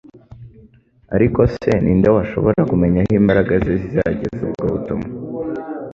ariko se ni nde washobora kumenya aho imbaraga ze zizageza ubwo butumwa?